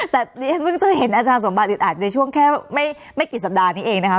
แต่นี่เพิ่งเจอเห็นอาจารย์สวัสดิตอ่านในช่วงแค่ไม่กี่สัปดาห์นี้เองนะคะ